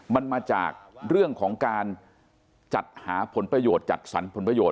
มันมาจากเรื่องของการจัดหาผลประโยชน์จัดสรรผลประโยชน